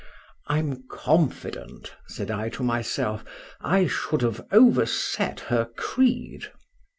— I'm confident, said I to myself, I should have overset her creed.